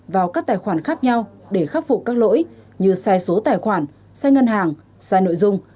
vào các tài khoản khác nhau để khắc phục các lỗi như sai số tài khoản sai ngân hàng sai nội dung